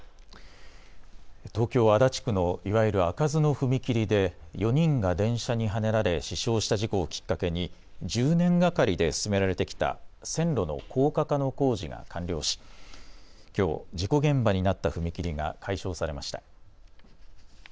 東京足立区のいわゆる開かずの踏切で４人が電車にはねられ死傷した事故をきっかけに１０年がかりで進められてきた線路の高架化の工事が完了しきょう事故現場になった踏切が解消されました。